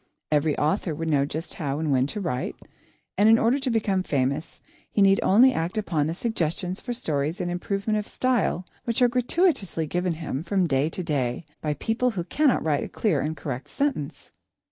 Every author would know just how and when to write, and in order to become famous, he need only act upon the suggestions for stories and improvement of style which are gratuitously given him from day to day, by people who cannot write a clear and correct sentence.